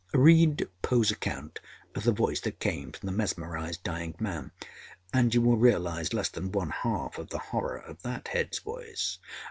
Read Poe's account of the voice that came from the mesmerized dying man, and you will realize less than one half of the horror of that head's voice.